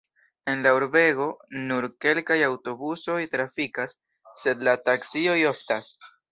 En la urbego nur kelkaj aŭtobusoj trafikas, sed la taksioj oftas.